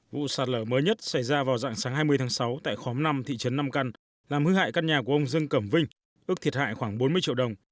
vụ sạt lở mới nhất xảy ra vào dạng sáng hai mươi tháng sáu tại khóm năm thị trấn nam căn làm hư hại căn nhà của ông dương cẩm vinh ước thiệt hại khoảng bốn mươi triệu đồng